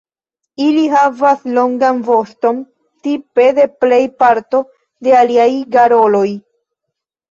Ili havas longan voston tipe de plej parto de aliaj garoloj.